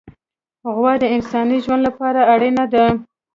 غوا د انساني ژوند لپاره اړینه ده.